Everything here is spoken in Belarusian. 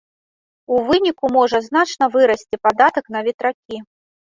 У выніку можа значна вырасці падатак на ветракі.